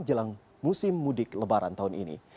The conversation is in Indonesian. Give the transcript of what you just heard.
jelang musim mudik lebaran tahun ini